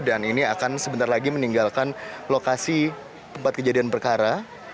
dan ini akan sebentar lagi meninggalkan lokasi tempat kejadian perkara